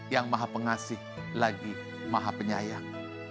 yang maha pengasih lagi maha penyayang